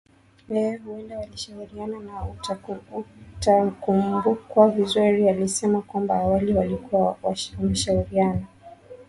eeh huenda walishauriana na utakumbukwa vizuri alisema kwamba awali walikuwa wameshauriana